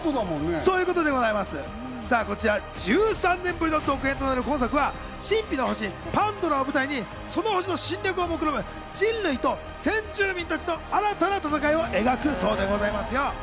およそ１３年ぶりの続編となる今作は、神秘の星・パンドラを舞台にその星の侵略をもくろむ人類と先住民たちの新たな戦いを描いた物語です。